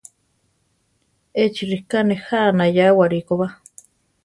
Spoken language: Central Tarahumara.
Échi ríka nejá anayáwari koba.